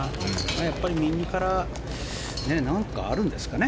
やっぱり右からなんかあるんですかね？